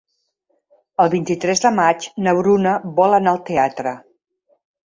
El vint-i-tres de maig na Bruna vol anar al teatre.